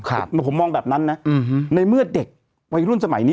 ผมมองแบบนั้นนะในเมื่อเด็กวัยรุ่นสมัยนี้